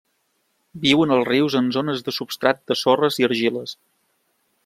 Viuen als rius en zones de substrat de sorres i argiles.